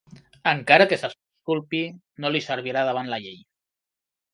Encara que s'exculpi, no li servirà davant la llei.